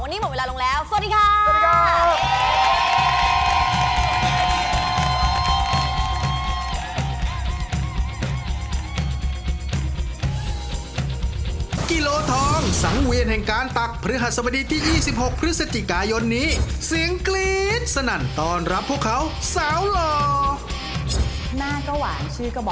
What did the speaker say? วันนี้หมดเวลาลงแล้วสวัสดีครับ